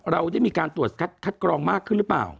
เราได้มีการตรวจคัดกรองมากขึ้นหรือเปล่า